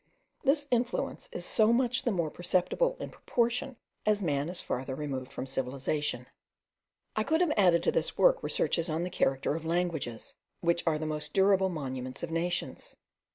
This influence is so much the more perceptible in proportion as man is farther removed from civilization. I could have added to this work researches on the character of languages, which are the most durable monuments of nations.